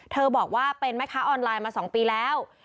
บอกว่าเป็นแม่ค้าออนไลน์มา๒ปีแล้ว